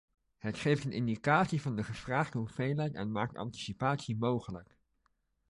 Het geeft een indicatie van de gevraagde hoeveelheid en maakt anticipatie mogelijk.